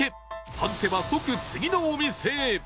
外せば即次のお店へ